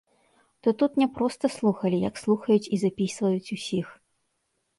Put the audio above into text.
То тут не проста слухалі, як слухаюць і запісваюць усіх.